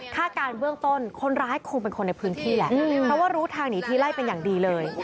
การเบื้องต้นคนร้ายคงเป็นคนในพื้นที่แหละเพราะว่ารู้ทางหนีทีไล่เป็นอย่างดีเลย